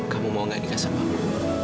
kamu mau gak nikah sama aku